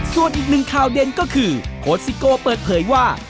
ส่วนอีกหนึ่งข่าวเด่นก็คือโคสิโกเปิดเผยว่า